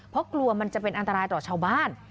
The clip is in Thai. เพราะกลัวมันจะเป็นอันตรายต่อชาวบ้าน